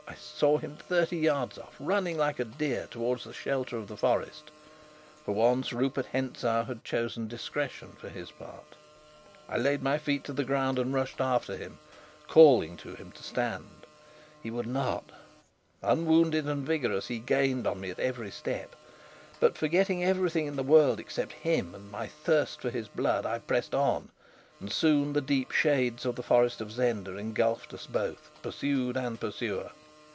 I saw him thirty yards off, running like a deer towards the shelter of the forest. For once Rupert Hentzau had chosen discretion for his part. I laid my feet to the ground and rushed after him, calling to him to stand. He would not. Unwounded and vigorous, he gained on me at every step; but, forgetting everything in the world except him and my thirst for his blood, I pressed on, and soon the deep shades of the forest of Zenda engulfed us both, pursued and pursuer.